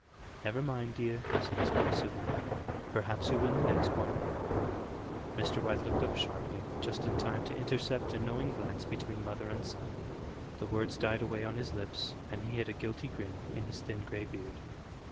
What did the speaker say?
"Never mind, dear," said his wife, soothingly; "perhaps you'll win the next one." Mr. White looked up sharply, just in time to intercept a knowing glance between mother and son. The words died away on his lips, and he hid a guilty grin in his thin grey beard.